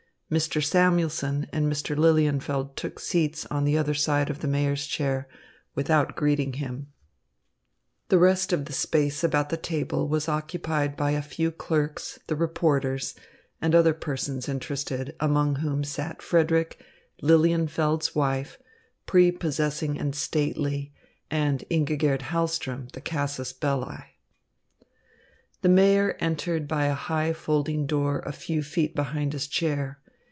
Mr. Samuelson and Mr. Lilienfeld took seats on the other side of the Mayor's chair, without greeting him. The rest of the space about the table was occupied by a few clerks, the reporters, and other persons interested, among whom sat Frederick, Lilienfeld's wife, prepossessing and stately, and Ingigerd Hahlström, the casus belli. The Mayor entered by a high folding door a few feet behind his chair.